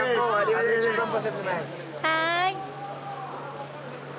はい。